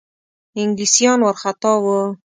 انګلیسیان وارخطا وه.